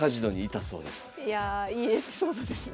いやいいエピソードですね。